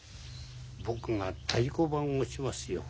僕が太鼓判を押しますよ。